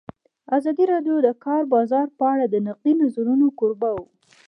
ازادي راډیو د د کار بازار په اړه د نقدي نظرونو کوربه وه.